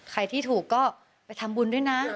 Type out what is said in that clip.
ใครที่ถูกก็ไปทำบุญด้วยนะ